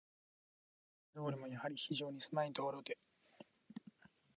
丸太町通も、やはり非常にせまい道路で、